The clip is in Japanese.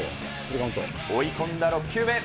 追い込んだ６球目。